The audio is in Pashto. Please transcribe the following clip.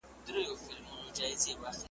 پر انارګل به زلمي چاپېروي .